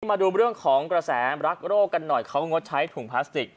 มาดูเรื่องของกระแสรักโรคกันหน่อยเขางดใช้ถุงพลาสติก